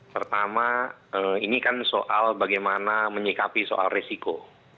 pertama ini kan soal bagaimana menyikapi soal resiko